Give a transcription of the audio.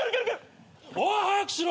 おい早くしろ！